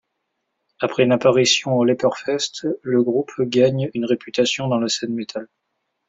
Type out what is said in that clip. Après une apparition au Ieperfest, le groupe gagne une réputation dans la scène métal.